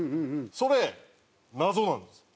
それ謎なんですよ。